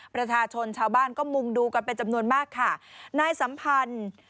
ประชาชนชาวบ้านก็มุงดูกันเป็นจำนวนมากค่ะนายสัมพันธ์